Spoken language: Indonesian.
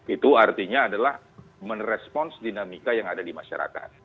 itu artinya adalah merespons dinamika yang ada di masyarakat